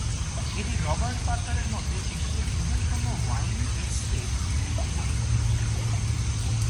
এটি রবার্ট পার্কারের মতে "বিশ্বের বৃহত্তম ওয়াইন এস্টেট"গুলির মধ্যে একটি।